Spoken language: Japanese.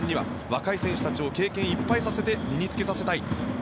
若い選手たちに経験いっぱいさせて身に着けさせたい。